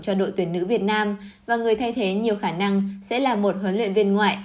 cho đội tuyển nữ việt nam và người thay thế nhiều khả năng sẽ là một huấn luyện viên ngoại